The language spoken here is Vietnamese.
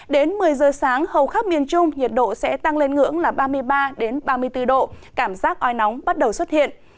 đến một mươi giờ sáng hầu khắp miền trung nhiệt độ sẽ tăng lên ngưỡng là ba mươi ba ba mươi bốn độ cảm giác oi nóng bắt đầu xuất hiện